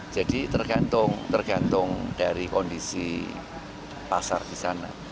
jadi tergantung dari kondisi pasar di sana